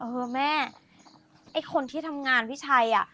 เออแม่ไอ้คนที่ทำงานพี่ชัยอ่ะ